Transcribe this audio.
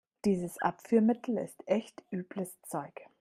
Dieses Abführmittel ist echt übles Zeug.